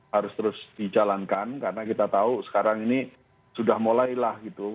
harus terus dijalankan karena kita tahu sekarang ini sudah mulailah gitu